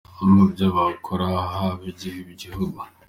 mu byo bakora haba gihugu.